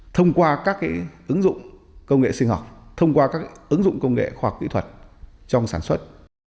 thông qua các ứng dụng công nghệ sinh học thông qua các ứng dụng công nghệ khoa học kỹ thuật trong sản xuất